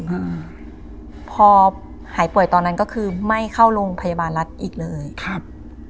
อืมพอหายป่วยตอนนั้นก็คือไม่เข้าโรงพยาบาลรัฐอีกเลยครับ